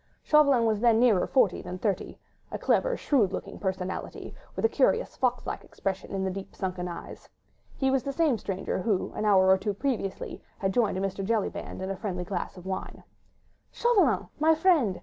Chauvelin was then nearer forty than thirty—a clever, shrewd looking personality, with a curious fox like expression in the deep, sunken eyes. He was the same stranger who an hour or two previously had joined Mr. Jellyband in a friendly glass of wine. "Chauvelin ... my friend ..